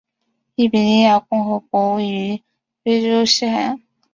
利比里亚共和国位于非洲西海岸。